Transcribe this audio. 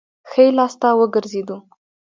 ښي لاس ته وګرځېدو.